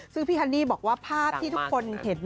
ซึ่งพี่ฮันนี่บอกว่าภาพที่ทุกคนเห็น